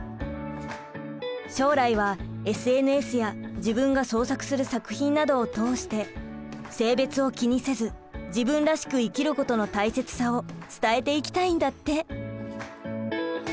将来はＳＮＳや自分が創作する作品などを通して性別を気にせず自分らしく生きることの大切さを伝えていきたいんだって！